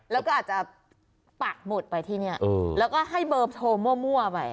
แล้วก็อาจจะปักหมุดไปที่นี่แล้วก็ให้เบอร์โทรมั่วไป